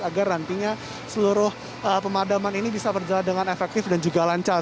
agar nantinya seluruh pemadaman ini bisa berjalan dengan efektif dan juga lancar